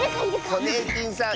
ホネーキンさん